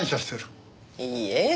いいえ。